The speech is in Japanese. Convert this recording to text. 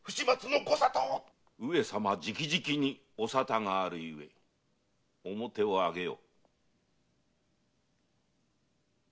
上様直々にお沙汰があるゆえ面を上げよ。